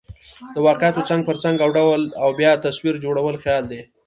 د واقعاتو څنګ پر څنګ اوډل او بیا تصویر جوړل خیال دئ.